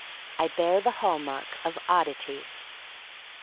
I bear the hall mark of oddity.